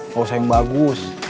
gak usah yang bagus